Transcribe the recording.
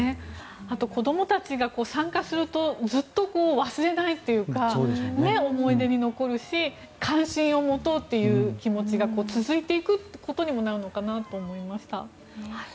あと子どもたちが参加するとずっと忘れないというか思い出に残るし関心を持とうっていう気持ちが続いていくことにもなるのかなと思いました。